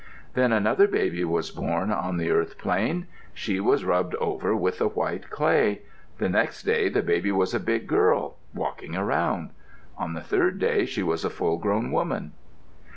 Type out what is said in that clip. Then another baby was born on the earth plain. She was rubbed over with the white clay. The next day the baby was a big girl, walking around. On the third day she was a full grown woman.